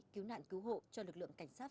cứu nạn cứu hộ cho lực lượng cảnh sát